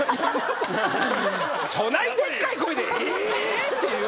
そないでっかい声で「え！」って言う？